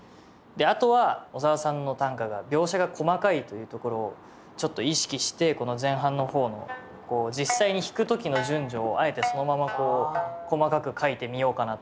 あとは小沢さんの短歌が描写が細かいというところをちょっと意識してこの前半の方の実際に弾く時の順序をあえてそのまま細かく書いてみようかなと。